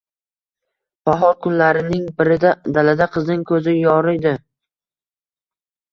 Bahor kunlarining birida, dalada qizning ko`zi yoriydi